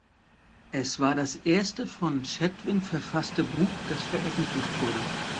Es war das erste von Chatwin verfasste Buch, das veröffentlicht wurde.